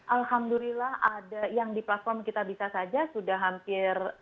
alhamdulillah ada yang di platform kitabisa saja sudah hampir